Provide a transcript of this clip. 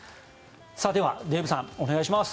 では、デーブさんお願いします。